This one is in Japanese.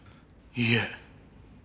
いいえ。